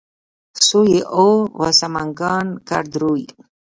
سوی اوه و سمکنان کرد روی